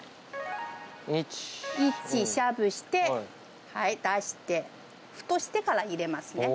１しゃぶして出して、沸騰してから入れますね。